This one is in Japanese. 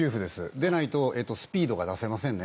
でないとスピードが出せませんね。